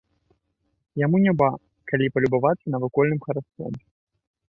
Яму няма калі палюбавацца навакольным хараством.